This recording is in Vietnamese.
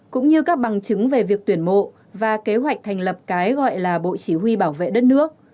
cũng như các bằng chứng về việc tuyển mộ và kế hoạch thành lập cái gọi là bộ chỉ huy bảo vệ đất nước